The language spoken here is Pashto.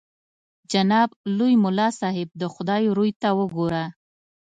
جناب لوی ملا صاحب د خدای روی ته وګوره.